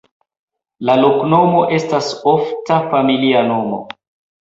La loknomo estas ofta familia nomo.